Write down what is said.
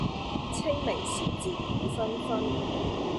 清明時節雨紛紛